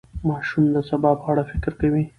ماشوم د سبا په اړه فکر کوي.